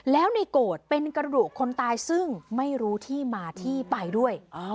แล้วในโกรธเป็นกระดูกคนตายซึ่งไม่รู้ที่มาที่ไปด้วย